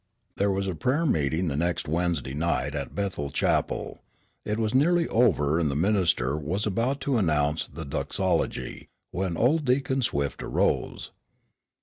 There was prayer meeting the next Wednesday night at Bethel Chapel. It was nearly over and the minister was about to announce the Doxology, when old Deacon Swift arose.